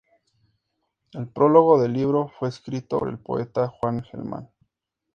El prólogo del libro fue escrito por el poeta Juan Gelman.